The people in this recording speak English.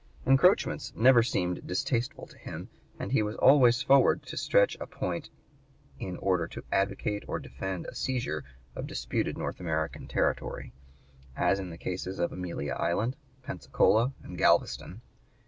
Encroachments never seemed distasteful to him, and he was always forward to stretch a point in order to advocate or defend a seizure of disputed North American territory, as in the cases of Amelia Island, Pensacola, and Galveston.